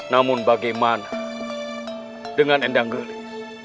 namun bagaimana dengan endang geli